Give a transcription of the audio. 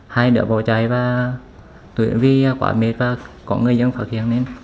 hai đứa bỏ chạy và tuổi sách vì quá mệt và có người dân phát hiện nên